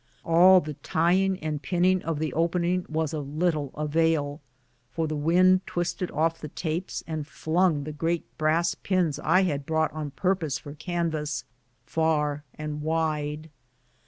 All the tying and pinning of the opening was of little avail, for the wind twisted off the tapes and flung the great brass pins I had brought on purpose for canvas far and wide.